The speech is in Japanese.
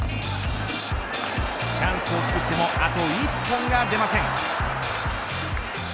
チャンスをつくってもあと一本が出ません。